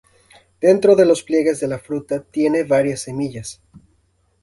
Dentro de los pliegues de la fruta tiene varias semillas.